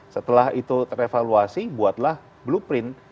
setelah itu ter evaluasi buatlah blueprint